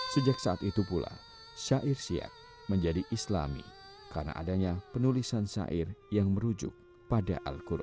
sejak saat itu pula syair siak menjadi islami karena adanya penulisan syair yang merujuk pada al quran